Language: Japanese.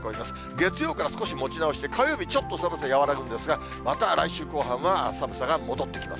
月曜から少し持ち直して、火曜日ちょっと寒さ和らぐんですが、また来週後半は寒さが戻ってきます。